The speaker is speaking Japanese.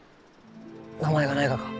名前がないがか？